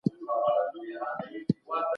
ټول انسانان د قانوني ساتني حق لري.